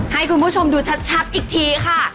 ให้คุณผู้ชมดูชัดอีกทีค่ะ